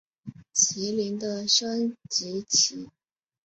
麒麟的升级棋。